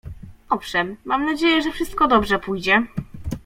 Owszem, mam nadzieję, że wszystko dobrze pójdzie.